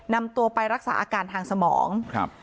นำตัวไปรักษาอาการทางสมองครับ